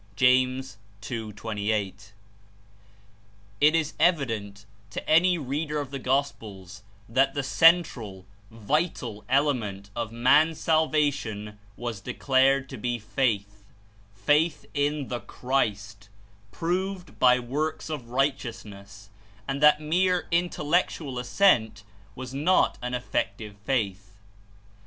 (James 2.28.) Tt is evident to any reader of the Gospels that 122 the central, vital element of man^s salvation was declared to be Faith, faith In the Christ, proved by works of righteousness, and that mere Intellectual assent was not an effective Faith faith.